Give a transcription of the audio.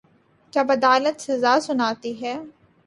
جب عدالت سزا سناتی ہے۔